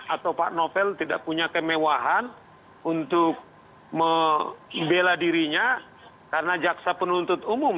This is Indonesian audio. atau pak novel tidak punya kemewahan untuk membela dirinya karena jaksa penuntut umum